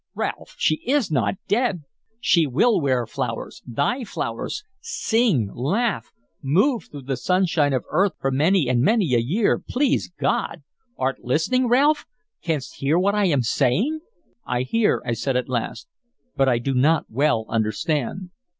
Ralph, she is not dead. She will wear flowers, thy flowers, sing, laugh, move through the sunshine of earth for many and many a year, please God! Art listening, Ralph? Canst hear what I am saying?" "I hear," I said at last, "but I do not well understand."